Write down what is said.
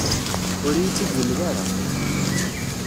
Ur iyi-tt-id-yemla ara.